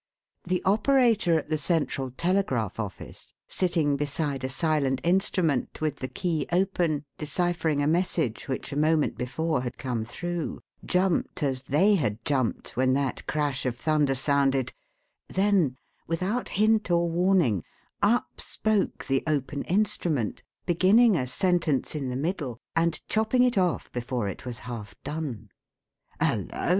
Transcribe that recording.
The operator at the central telegraph office, sitting beside a silent instrument with the key open deciphering a message which a moment before had come through, jumped as they had jumped when that crash of thunder sounded; then without hint or warning up spoke the open instrument, beginning a sentence in the middle and chopping it off before it was half done. "Hullo!